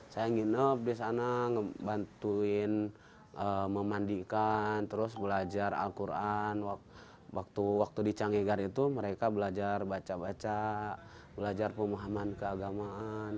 saya nginep di sana bantuin memandikan terus belajar al quran waktu di canghegar itu mereka belajar baca baca belajar pemahaman keagamaan